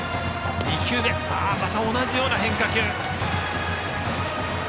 ２球目、同じような変化球。